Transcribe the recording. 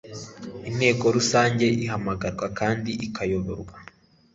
inteko rusange ihamagarwa kandi ikayoborwa